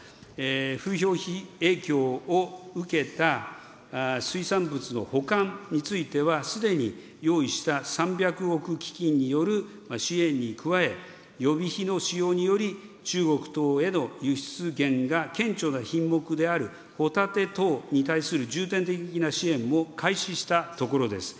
風評影響を受けた、水産物の保管については、すでに用意した３００億基金による支援に加え、予備費の使用により、中国等への輸出減が顕著な品目であるホタテ等に対する重点的な支援も開始したところです。